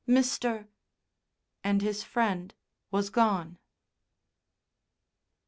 Mr. " and his friend was gone.